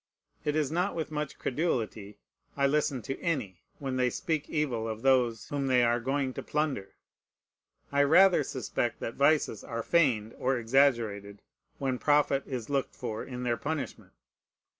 It is not with much credulity I listen to any, when they speak evil of those whom they are going to plunder. I rather suspect that vices are feigned or exaggerated, when profit is looked for in their punishment.